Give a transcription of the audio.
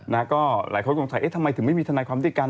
นะก็หลายคนสงสัยเอ๊ะทำไมถึงไม่มีทนายความด้วยกัน